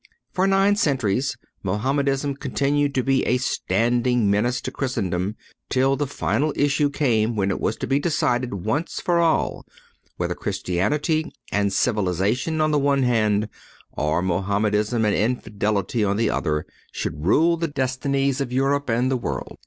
For nine centuries Mohamedanism continued to be a standing menace to christendom, till the final issue came when it was to be decided once for all whether Christianity and civilization on the one hand, or Mohamedanism and infidelity on the other, should rule the destinies of Europe and the world.